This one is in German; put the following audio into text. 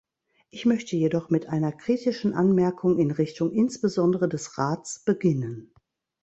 Ich möchte jedoch mit einer kritischen Anmerkung in Richtung insbesondere des Rats beginnen.